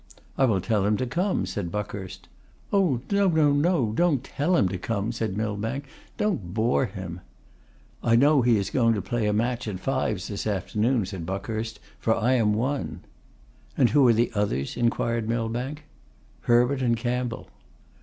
'I will tell him to come,' said Buckhurst. 'Oh! no, no, don't tell him to come,' said Millbank. 'Don't bore him.' 'I know he is going to play a match at fives this afternoon,' said Buckhurst, 'for I am one.' 'And who are the others?' inquired Millbank. 'Herbert and Campbell.